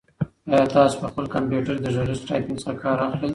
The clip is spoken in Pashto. آیا تاسو په خپل کمپیوټر کې د غږیز ټایپنګ څخه کار اخلئ؟